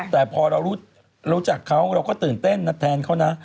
แต่พอเรารู้จักเขาเราก็ตื่นเต้นนะแทนเขานะ